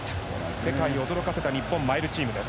世界を驚かせた日本マイルチームです。